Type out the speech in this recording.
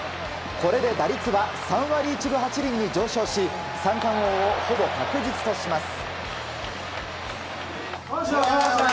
これで打率は３割１分８厘に上昇し三冠王をほぼ確実とします。